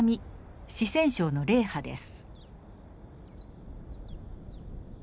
四川省の雷波です。